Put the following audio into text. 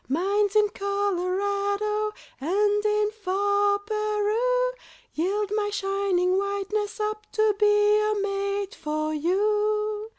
Mines in Colorado, And in far Peru, Yield my shining whiteness up To be a mate for you.